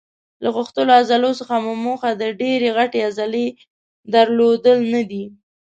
له غښتلو عضلو څخه موخه د ډېرې غټې عضلې درلودل نه دي.